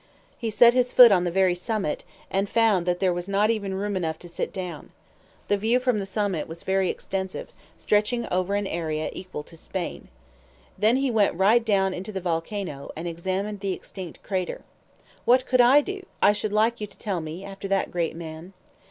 He set his foot on the very summit, and found that there was not even room enough to sit down. The view from the summit was very extensive, stretching over an area equal to Spain. Then he went right down into the volcano, and examined the extinct crater. What could I do, I should like you to tell me, after that great man?"